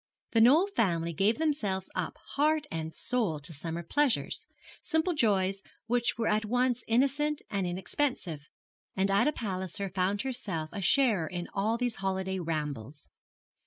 The Knoll family gave themselves up heart and soul to summer pleasures simple joys which were at once innocent and inexpensive and Ida Palliser found herself a sharer in all these holiday rambles.